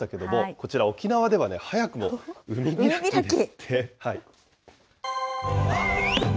こちら沖縄では、早くも海開きです。